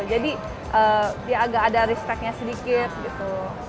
jadi dia agak ada respectnya sedikit gitu